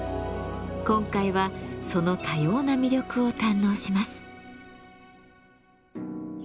今回はその多様な魅力を堪能します。